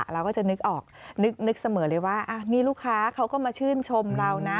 เราก็จะนึกออกนึกเสมอเลยว่านี่ลูกค้าเขาก็มาชื่นชมเรานะ